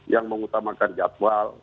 yang mengutamakan jadwal